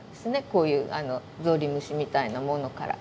こういうゾウリムシみたいなものから。